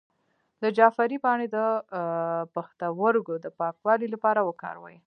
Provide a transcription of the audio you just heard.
د جعفری پاڼې د پښتورګو د پاکوالي لپاره وکاروئ